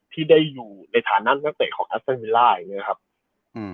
ที่ได้อยู่ในฐานะนักเตะของแอสเซอร์เมล่าอย่างเงี้ยครับอืม